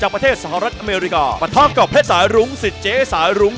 ประทับกับเพชรสาหรุงสิจเจสาหรุง